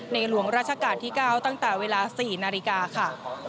หลวงราชการที่๙ตั้งแต่เวลา๔นาฬิกาค่ะ